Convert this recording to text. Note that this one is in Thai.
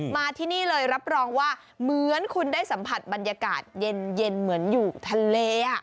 มาที่นี่เลยรับรองว่าเหมือนคุณได้สัมผัสบรรยากาศเย็นเหมือนอยู่ทะเล